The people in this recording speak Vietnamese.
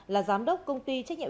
là giám đốc công ty trách nhiệm